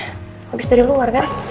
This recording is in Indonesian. habis dari luar kan